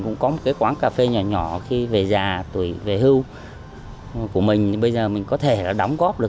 chúng tôi cũng có một quán cà phê nhỏ nhỏ khi về già tuổi về hưu của mình bây giờ mình có thể đóng góp được